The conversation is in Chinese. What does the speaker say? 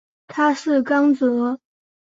他是刚铎。